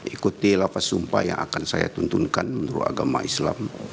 ikuti lapas sumpah yang akan saya tuntunkan menurut agama islam